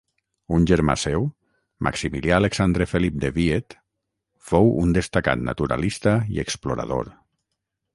Un germà seu, Maximilià Alexandre Felip de Wied fou un destacat naturalista i explorador.